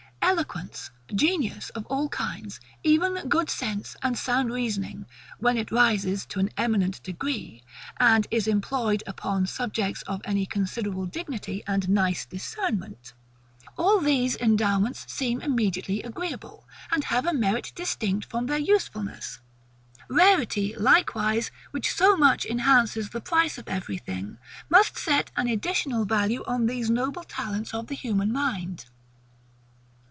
Eloquence, genius of all kinds, even good sense, and sound reasoning, when it rises to an eminent degree, and is employed upon subjects of any considerable dignity and nice discernment; all these endowments seem immediately agreeable, and have a merit distinct from their usefulness. Rarity, likewise, which so much enhances the price of every thing, must set an additional value on these noble talents of the human mind.